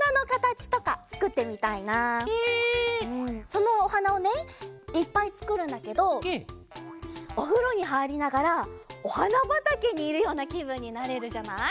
そのおはなをねいっぱいつくるんだけどおふろにはいりながらおはなばたけにいるようなきぶんになれるじゃない？